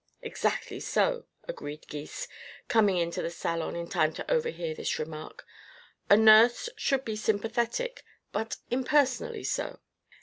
"Exactly so," agreed Gys, coming into the salon in time to overhear this remark. "A nurse should be sympathetic, but impersonally so."